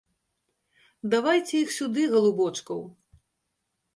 Давайце іх сюды, галубочкаў!